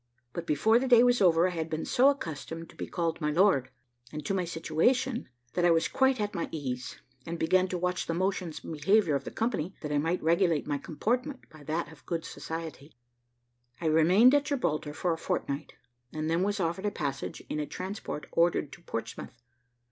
But before the day was over, I had been so accustomed to be called `my lord,' and to my situation, that I was quite at my ease, and began to watch the motions and behaviour of the company, that I might regulate my comportment by that of good society. I remained at Gibraltar for a fortnight, and then was offered a passage in a transport ordered to Portsmouth.